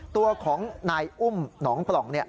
ตัวของนายอุ้มหนองปล่อง